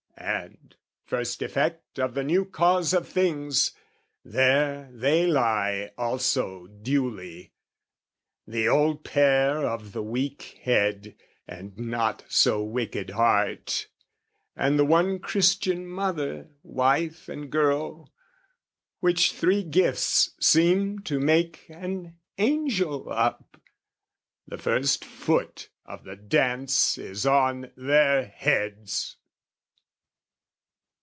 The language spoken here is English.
And, first effect of the new cause of things, There they lie also duly, the old pair Of the weak head and not so wicked heart, And the one Christian mother, wife and girl, Which three gifts seem to make an angel up, The first foot of the dance is on their heads!